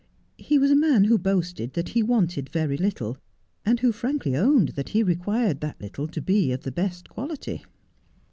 He was a man who boasted that he wanted very little ; and who frankly owned that he required that little to be of the best quality.